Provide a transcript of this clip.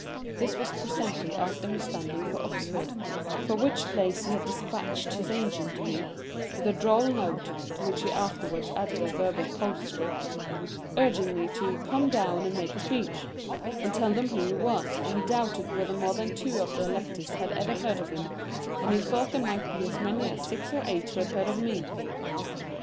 This was presently after his standing for Oxford, from which place he had dispatched his agent to me, with a droll note (to which he afterwards added a verbal postscript), urging me to "come down and make a speech, and tell them who he was, for he doubted whether more than two of the electors had ever heard of him, and he thought there might be as many as six or eight who had heard of me".